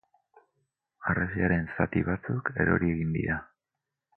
Harresiaren zati batzuk erori egin dira.